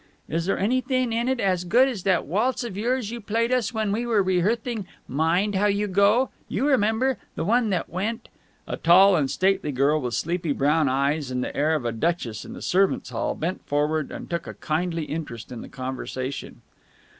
"Is there anything in it as good as that waltz of yours you played us when we were rehearthing 'Mind How You Go?' You remember. The one that went...." A tall and stately girl, with sleepy brown eyes and the air of a duchess in the servants' hall, bent forward and took a kindly interest in the conversation.